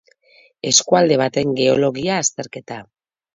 Eskualde baten geologia-azterketa.